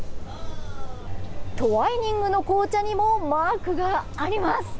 トワイニングの紅茶にもマークがあります。